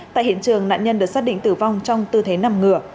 tại hiện trường nạn nhân được xác định tử vong trong tư thế nằm ngửa